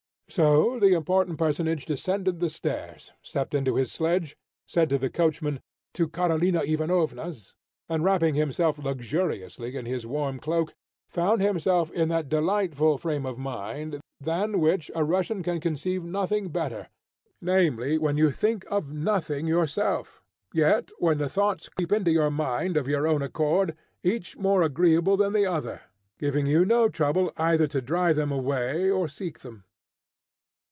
So the important personage descended the stairs, stepped into his sledge, said to the coachman, "To Karolina Ivanovna's," and, wrapping himself luxuriously in his warm cloak, found himself in that delightful frame of mind than which a Russian can conceive nothing better, namely, when you think of nothing yourself, yet when the thoughts creep into your mind of their own accord, each more agreeable than the other, giving you no trouble either to drive them away, or seek them.